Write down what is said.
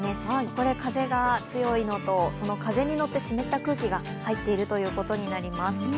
これ、風が強いのと、風に乗って湿った空気が入っているということになります。